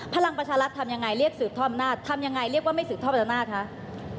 พลังประชารัฐทำยังไงเรียกสืบทอดอำนาจทำยังไงเรียกว่าไม่สืบทอดอำนาจคะ